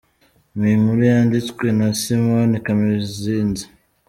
Ni Inkuru yanditswe na Simon Kamuzinzi.